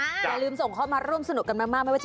อย่าลืมส่งเข้ามาร่วมสนุกกันมาก